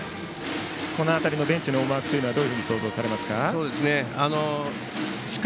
この辺りのベンチの思惑どう想像されますか。